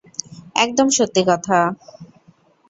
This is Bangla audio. একদম সত্যি কথা।